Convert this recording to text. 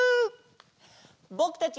ぼくたち！